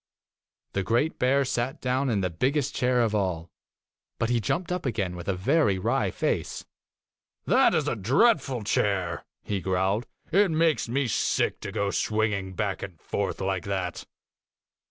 The great bear sat down in the biggest chair of all, but he jumped up again with a very wry face. * That is a dreadful chair,' he growled. ' It makes me sick to go swinging back and forth like that.